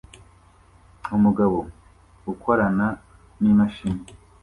Umugabo ukorana n'imashini